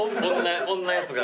こんなやつが。